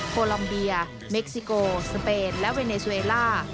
โคลอมเบียเม็กซิโกสเปนและเวเนสเวล่า